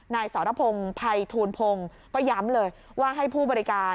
สรพงศ์ภัยทูลพงศ์ก็ย้ำเลยว่าให้ผู้บริการ